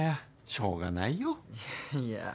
しょうがないよ。いやいや。